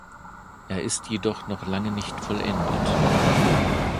Er ist jedoch noch lange nicht vollendet.